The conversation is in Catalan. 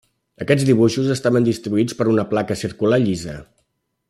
Aquests dibuixos estaven distribuïts per una placa circular llisa.